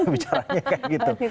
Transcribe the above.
bicaranya kayak gitu